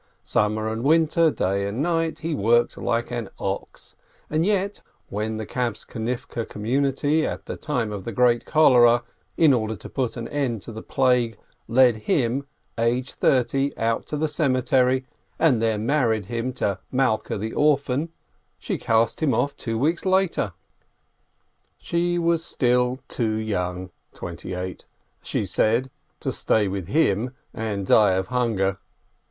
Summer and winter, day and night, he worked like an ox, and yet, when the Kabtzonivke community, at the time of the great cholera, in order to put an end to the plague, led him, aged thirty, out to the cemetery, and there married him to Malkeh the orphan, she cast him off two weeks later ! She was still too young (twenty eight), she said, to stay with him and die of hunger.